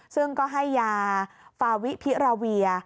ซึ่งก็ให้ยาฟาวิพิราเวีย